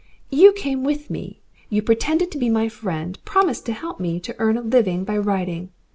"You came with me. You pretended to be my friend. Promised to help me to earn a living by writing.